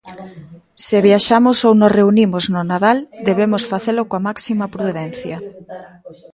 Se viaxamos ou nos reunimos no Nadal debemos facelo coa máxima prudencia.